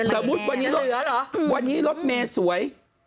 สมมุติวันนี้รถวันนี้รถเมย์สวย